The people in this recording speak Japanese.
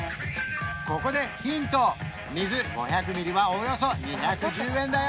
ここでヒント水５００ミリはおよそ２１０円だよ